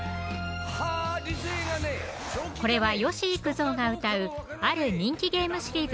これは吉幾三が歌うある人気ゲームシリーズ